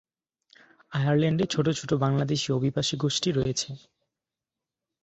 আয়ারল্যান্ডে ছোট ছোট বাংলাদেশী অভিবাসী গোষ্ঠী রয়েছে।